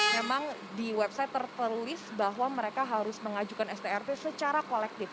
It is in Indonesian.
memang di website tertulis bahwa mereka harus mengajukan strp secara kolektif